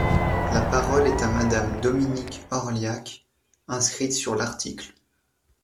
La parole est à Madame Dominique Orliac, inscrite sur l’article.